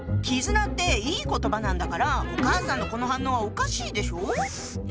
「絆」っていい言葉なんだからお母さんのこの反応はおかしいでしょ？